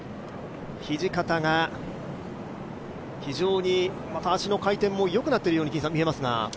土方が非常に足の回転もよくなっているように見えますが。